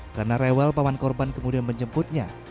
karena rewel paman korban kemudian menjemputnya